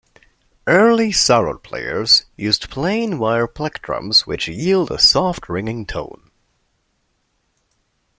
Early sarod players used plain wire plectrums, which yield a soft, ringing tone.